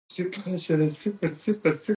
او ډېر شول؛ نو سړو بهر کارونه په غاړه واخىستل